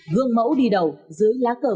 gương mẫu đi đầu dưới lá cờ